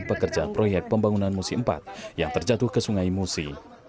pekerja proyek pembangunan musi empat yang terjatuh ke sungai musi